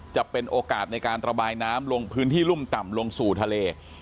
จะเป็นโอกาสในการระบายน้ำลงพื้นที่รุ่มต่ำลงสู่ทะเล